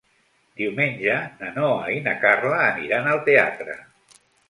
Diumenge na Noa i na Carla aniran al teatre.